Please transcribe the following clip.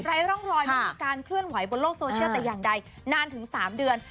ร่องรอยไม่มีการเคลื่อนไหวบนโลกโซเชียลแต่อย่างใดนานถึง๓เดือน